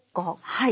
はい。